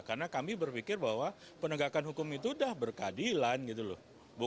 karena kami berpikir bahwa penegakan hukum itu sudah berkadilan gitu loh